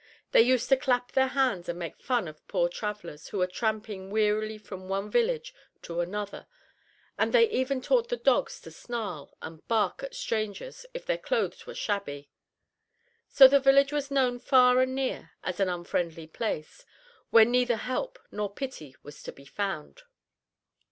They used to clap their hands and make fun of poor travelers who were tramping wearily from one village to another, and they even taught the dogs to snarl and bark at strangers if their clothes were shabby. So the village was known far and near as an unfriendly place, where neither help nor pity was to be found.